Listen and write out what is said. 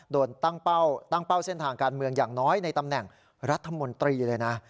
ตั้งเป้าเส้นทางการเมืองอย่างน้อยในตำแหน่งรัฐมนตรีเลยนะ